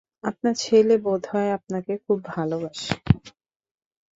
আপনার ছেলে বোধহয় আপনাকে খুব ভালোবাসে।